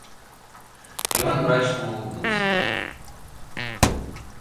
И он мрачно улыбнулся.